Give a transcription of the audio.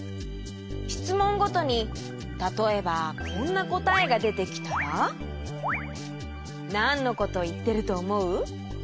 しつもんごとにたとえばこんなこたえがでてきたらなんのこといってるとおもう？